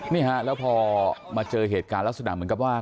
นี่ค่ะแล้วพอมาเจอเหตุการณ์แล้วสุดท้ายเหมือนกับว่า